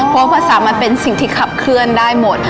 เพราะภาษามันเป็นสิ่งที่ขับเคลื่อนได้หมด